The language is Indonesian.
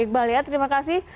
iqbal ya terima kasih